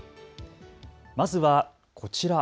まずはこちら。